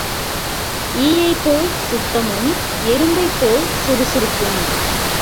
ஈயைப் போல் சுத்தமும் எறும்பைப்போல் சுறுசுறுப்பும்.